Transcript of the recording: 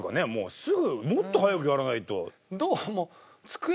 すぐもっと早くやらないと。